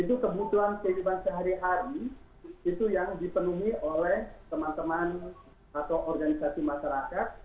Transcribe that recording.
itu kebutuhan kehidupan sehari hari itu yang dipenuhi oleh teman teman atau organisasi masyarakat